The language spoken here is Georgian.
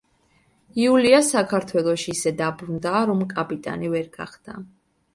იულია საქართველოში ისე დაბრუნდა, რომ კაპიტანი ვერ გახდა.